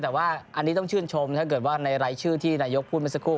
แต่ว่าอันนี้ต้องชื่นชมถ้าเกิดว่าในรายชื่อที่นายกพูดมาสักครู่